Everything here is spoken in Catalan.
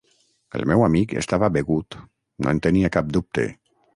El meu amic estava begut, no en tenia cap dubte.